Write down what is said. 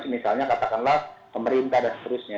misalnya katakanlah pemerintah dan seterusnya